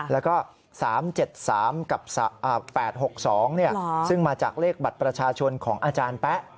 แล้วก็๓๗๓กับ๘๖๒ซึ่งมาจากเลขบัตรประชาชนของอาจารย์แป๊ะ